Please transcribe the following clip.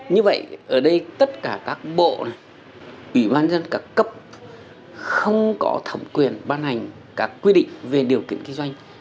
như vậy ở đây tất cả các bộ ủy ban dân cả cấp không có thẩm quyền bán hành các quy định về điều kiện kinh doanh